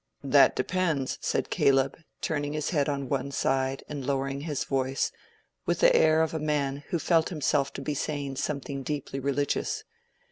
"That depends," said Caleb, turning his head on one side and lowering his voice, with the air of a man who felt himself to be saying something deeply religious.